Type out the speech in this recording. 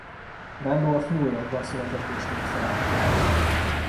Randolph New Yorkban született és nőtt fel.